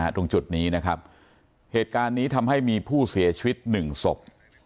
ตรงจุดนี้นะครับเหตุการณ์นี้ทำให้มีผู้เสียชีวิตหนึ่งศพ